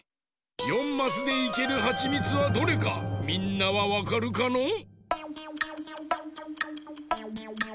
４マスでいけるはちみつはどれかみんなはわかるかのう？